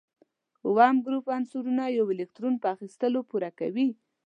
د اووم ګروپ عنصرونه یو الکترون په اخیستلو پوره کوي.